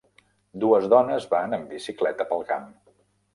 Dues dones van en bicicleta pel camp.